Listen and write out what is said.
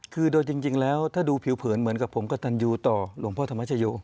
คือโดยจริงแล้วถ้าดูผิวเผินเหมือนกับผมกระตันยูต่อหลวงพ่อธรรมชโย